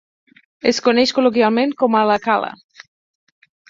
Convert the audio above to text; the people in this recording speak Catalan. Es coneix col·loquialment com a "La cala".